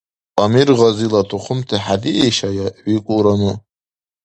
— Амир Гъазила тухумти хӀедиишая? — викӀулра ну.